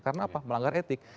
karena apa melanggar etik